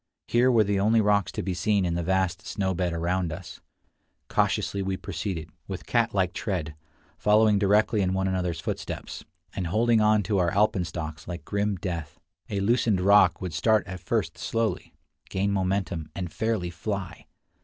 Here were the only rocks to be seen in the vast snow bed around us. Cautiously we proceed, with cat like tread, following directly in one another's footsteps, and holding on to our alpenstocks like grim death. A loosened rock would start at first slowly, gain momentum, and fairly fly.